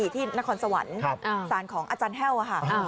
ที่นครสวรรค์สารของอาจารย์แห้วค่ะ